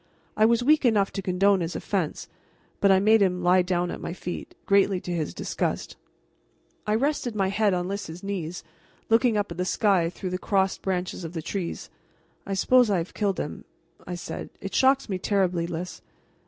I was weak enough to condone his offense, but I made him lie down at my feet, greatly to his disgust. I rested my head on Lys's knees, looking up at the sky through the crossed branches of the trees. "I suppose I have killed him," I said. "It shocks me terribly, Lys."